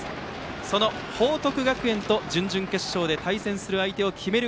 その報徳学園と準々決勝で対戦する相手を決める